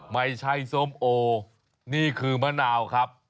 ไม่ใช่ส้มโอนี่คือมะนาวครับ